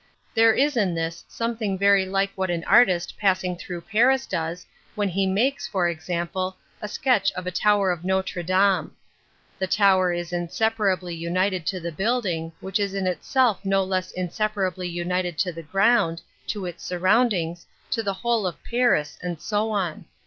There is in this something very like what an artist passing through Paris does when he makes, for example, a sketch of a tower of Notre Dame. The tower is in separably united to the building, which is itself no less inseparably united to the ground, to its surroundings, to the whole of Paris, and so on.